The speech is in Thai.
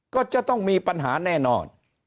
ก็จะต้องมีปัญหาแน่นอน